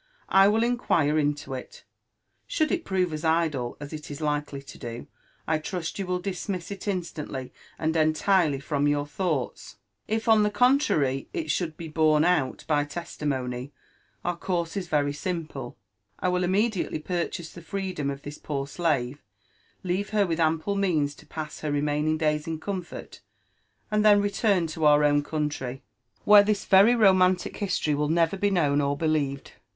I will inquire into it. Should it prove as idle as it is likely lo do, I trmt "You will dlmiias it instandy and teotiroly from your thoughts. If, on the contimry. It ahould be home out by testimony, ovr couree is very simple : I will immediately pel'cbase the freedom of this poor slave, leave her with ample means to pass her remaining days in comfort, and then retura to ovr own country, where this very romantic history will never be known Or believed.